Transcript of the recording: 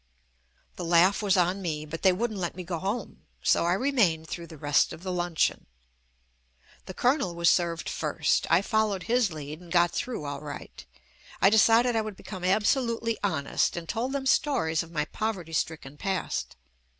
The laugh was on me, but they wouldn't let me go home, so I remained through the rest of the luncheon. The Colonel was served first, I followed his lead and got through all right. I decided I would become absolutely honest and told them stories of my poverty stricken past.